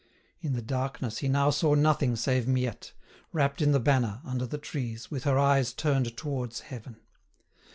In the darkness, he now saw nothing save Miette, wrapped in the banner, under the trees, with her eyes turned towards heaven.